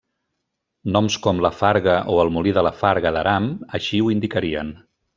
Noms com La farga o el Molí de la Farga d'aram així ho indicarien.